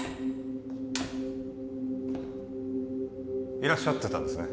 いらっしゃってたんですね